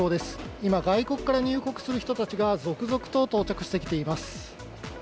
今、外国から入国する人たちが続々と到着してきています。